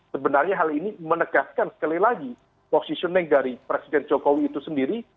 sebenarnya hal ini menegaskan sekali lagi positioning dari presiden jokowi itu sendiri